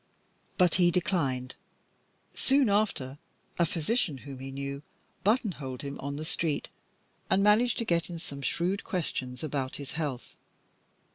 But he declined. Soon after a physician whom he knew buttonholed him on the street, and managed to get in some shrewd questions about his health.